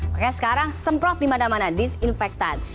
makanya sekarang semprot di mana mana disinfektan